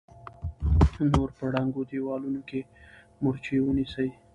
نور په ړنګو دېوالونو کې مورچې ونيسئ!